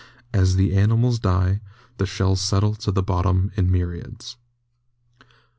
As the animals die the shells settle to the bottom in myriads.